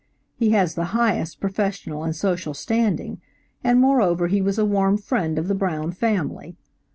He has the highest professional and social standing, and moreover he was a warm friend of the Brown family.